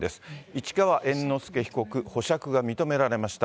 市川猿之助被告、保釈が認められました。